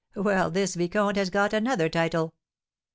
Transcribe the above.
"Well, this vicomte has got another title."